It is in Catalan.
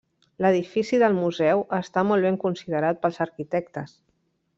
L'edifici del museu està molt ben considerat pels arquitectes.